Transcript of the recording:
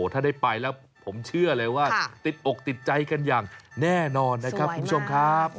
ถ้าได้ไปแล้วผมเชื่อเลยว่าติดอกติดใจกันอย่างแน่นอนนะครับคุณผู้ชมครับ